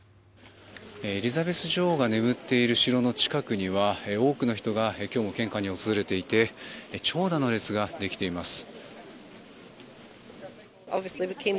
エリザベス女王が眠っている城の近くには多くの人が今日も献花に訪れていて長蛇の列ができています。